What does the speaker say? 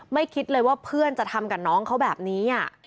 คิดเลยว่าเพื่อนจะทำกับน้องเขาแบบนี้